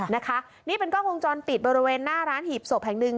นะคะนี่เป็นกล้องวงจรปิดบริเวณหน้าร้านหีบศพแห่งหนึ่ง